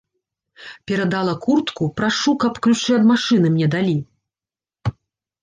Перадала куртку, прашу, каб ключы ад машыны мне далі.